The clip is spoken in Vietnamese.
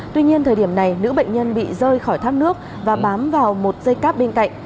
tuy nhiên thời điểm này nữ bệnh nhân bị rơi khỏi thác nước và bám vào một dây cáp bên cạnh